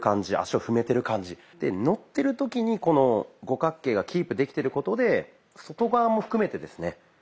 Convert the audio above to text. でのってる時にこの五角形がキープできてることで外側も含めてですね